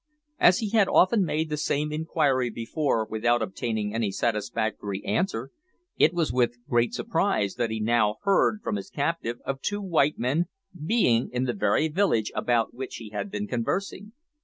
As he had often made the same inquiry before without obtaining any satisfactory answer, it was with great surprise that he now heard from his captive of two white men being in the very village about which he had been conversing.